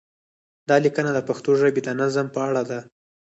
دا لیکنه د پښتو ژبې د نظم په اړه ده.